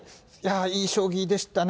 いい将棋でしたね。